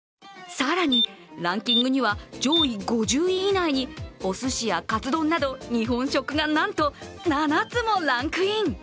更に、ランキングには上位５０位以内におすしやカツ丼など、日本食がなんと７つもランクイン。